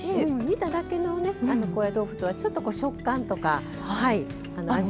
煮ただけのね高野豆腐とはちょっと食感とか味